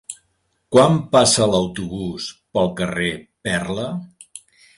Quan passa l'autobús pel carrer Perla?